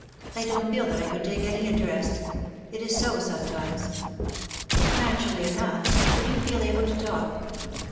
I don't feel that I could take any interest. It is so sometimes." "Naturally enough. But do you feel able to talk?"